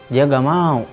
dia nggak mau